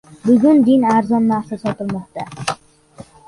Bugun din arzon narxda sotilmoqda...